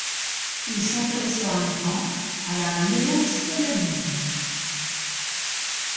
Il s'intéressa un temps à la néopsychanalyse.